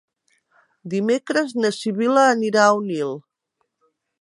Dimecres na Sibil·la anirà a Onil.